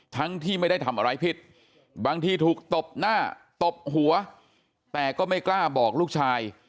ทั้งที่ไม่ได้ทำอะไรผิดบางทีถูกตบหน้าตบหัวแต่ก็ไม่กล้าบอกลูกชาย